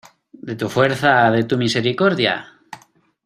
¿ de tu fuerza, de tu misericordia?